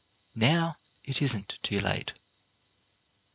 Now, it isn't too late.